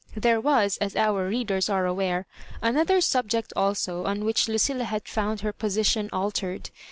There was, as our readers are aware, another subject also on which Lucilla had found her po sition altered.